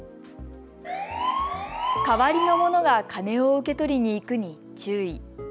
代わりのものが金を受け取りに行くに注意。